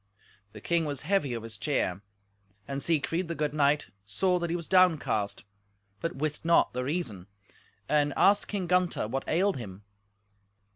The king was heavy of his cheer, and Siegfried, the good knight, saw that he was downcast, but wist not the reason, and asked King Gunther what ailed him.